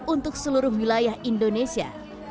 untuk seluruh wilayah indonesia